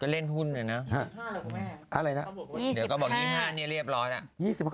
จะเล่นหุ้นเลยนะอะไรนะ๒๕นี่เรียบร้อยนะ